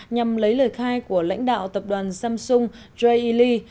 nhằm lấy lời khai của lãnh đạo tập đoàn samsung jay lee